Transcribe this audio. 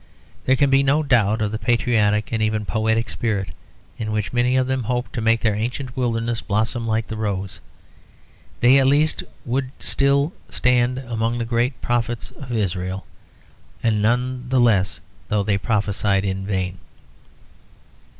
There can be no doubt of the patriotic and even poetic spirit in which many of them hope to make their ancient wilderness blossom like the rose. They at least would still stand among the great prophets of Israel, and none the less though they prophesied in vain.